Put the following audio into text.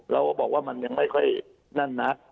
เราก็บอกว่ามันยังไม่ค่อยนั่นนัก